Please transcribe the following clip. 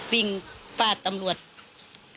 วิ่งฟาดตำรวจ